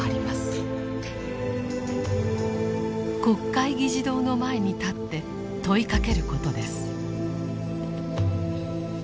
国会議事堂の前に立って問いかけることです。